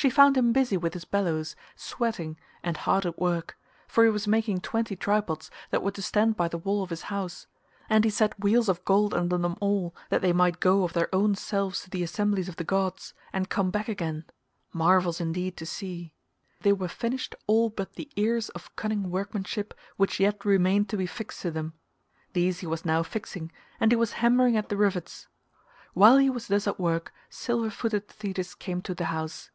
She found him busy with his bellows, sweating and hard at work, for he was making twenty tripods that were to stand by the wall of his house, and he set wheels of gold under them all that they might go of their own selves to the assemblies of the gods, and come back again—marvels indeed to see. They were finished all but the ears of cunning workmanship which yet remained to be fixed to them: these he was now fixing, and he was hammering at the rivets. While he was thus at work silver footed Thetis came to the house.